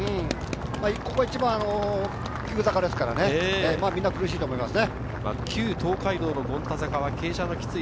ここは一番急坂ですから、みんな苦しいと思いますね。